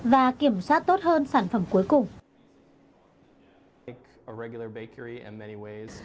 và kiểm soát tốt hơn sản phẩm cuối cùng